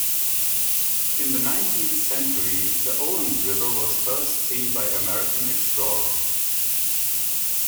In the nineteenth century, the Owens River was first seen by American explorers.